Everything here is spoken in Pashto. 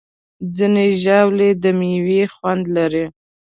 ځینې ژاولې د میوې خوند لري.